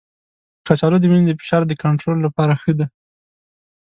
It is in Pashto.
کچالو د وینې د فشار د کنټرول لپاره ښه دی.